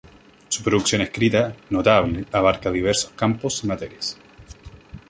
Su producción escrita, notable, abarca diversos campos y materias.